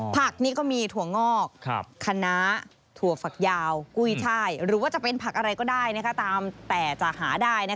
ผักนี่ก็มีถั่วงอกคณะถั่วฝักยาวกุ้ยช่ายหรือว่าจะเป็นผักอะไรก็ได้ตามแต่จะหาได้